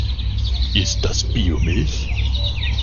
Ist das Biomilch?